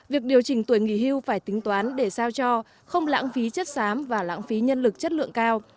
việc điều chỉnh tuổi nghỉ hưu phải tính toán để sao cho không lãng phí chất xám và lãng phí nhân lực chất lượng cao